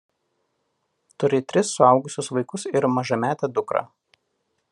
Turi tris suaugusius vaikus ir mažametę dukrą.